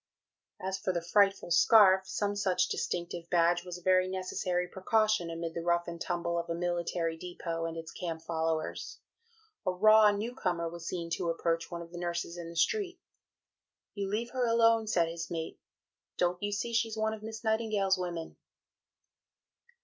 " As for the "frightful scarf" some such distinctive badge was a very necessary precaution amid the rough and tumble of a military depot and its camp followers. A raw new comer was seen to approach one of the nurses in the street. "You leave her alone," said his mate, "don't you see she's one of Miss Nightingale's women?"